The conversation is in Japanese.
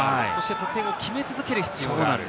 得点を決め続ける必要がある。